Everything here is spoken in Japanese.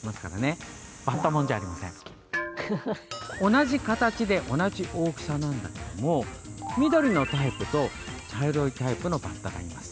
同じ形で同じ大きさなんだけども緑のタイプと茶色いタイプのバッタがいます。